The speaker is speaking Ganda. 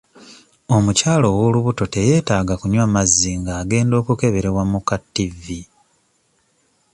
Omukyala ow'olubuto teyeetaaga kunywa mazzi nga agenda okukeberwa mu ka tivi.